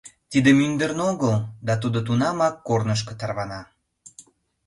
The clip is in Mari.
Тиде мӱндырнӧ огыл, да тудо тунамак корнышко тарвана.